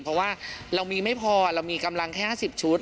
เพราะว่าเรามีไม่พอเรามีกำลังแค่๕๐ชุด